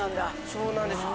そうなんです。